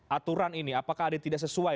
aturan ini apakah ada yang tidak sesuai